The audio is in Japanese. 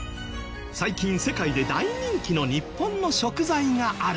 最近世界で大人気の日本の食材があるんです。